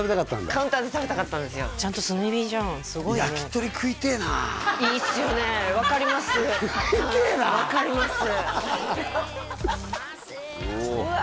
カウンターで食べたかったんですよちゃんと炭火じゃん焼き鳥食いてえないいっすよね分かります食いてえな分かりますうわ